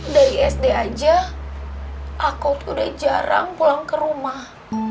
dari sd aja aku udah jarang pulang ke rumah